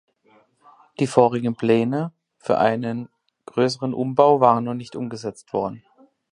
Die vorigen Pläne für einen größeren Umbau waren noch nicht umgesetzt worden.